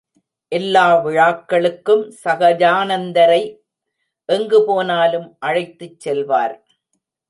எல்லா விழாக்களுக்கும் சகஜானந்தரை எங்கு போனாலும் அழைத்துச் செல்வார்!